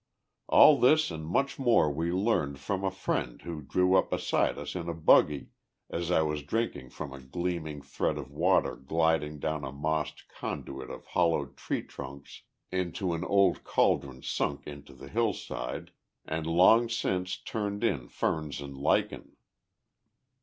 All this and much more we learned from a friend who drew up beside us in a buggy, as I was drinking from a gleaming thread of water gliding down a mossed conduit of hollowed tree trunks into an old cauldron sunk into the hillside, and long since turned in ferns and lichen.